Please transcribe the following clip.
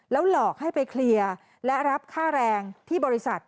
หลอกให้ไปเคลียร์และรับค่าแรงที่บริษัท